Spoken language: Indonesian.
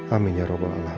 amin ya rabbal alamin